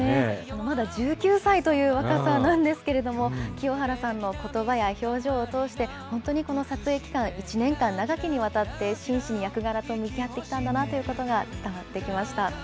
まだ１９歳という若さなんですけれども、清原さんのことばや表情を通して、本当にこの撮影期間、１年間長きにわたって、真摯に役柄と向き合ってきたんだなということが伝わってきました。